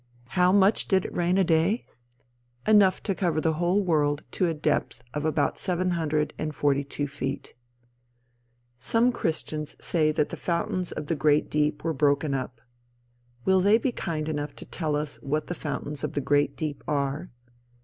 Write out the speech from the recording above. How much did it rain a day? Enough to cover the whole world to a depth of about seven hundred and forty two feet. Some Christians say that the fountains of the great deep were broken up. Will they be kind enough to tell us what the fountains of the great deep are?